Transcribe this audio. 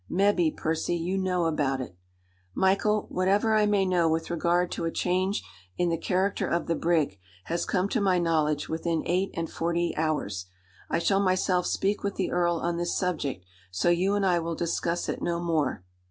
Mebbe, Percy, you know about it." "Michael, whatever I may know with regard to a change in the character of the brig has come to my knowledge within eight and forty hours. I shall myself speak with the earl on this subject; so you and I will discuss it no more."